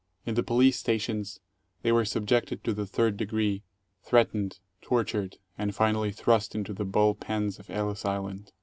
In the police stations they were subjected to the third degree, threatened, tortured, and finally thrust into the bull pens of Ellis Island.